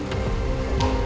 untuk memfire dulu